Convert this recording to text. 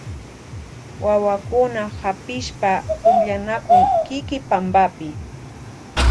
Wawakuna hapishpa pukllanakun kiki pampapi.